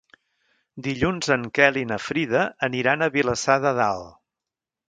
Dilluns en Quel i na Frida aniran a Vilassar de Dalt.